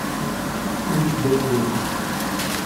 Cuide bem dele.